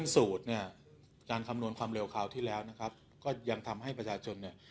สูตรเนี่ยการคำนวณความเร็วคราวที่แล้วนะครับก็ยังทำให้ประชาชนเนี่ย